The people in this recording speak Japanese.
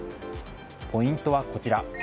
ポイントはこちら。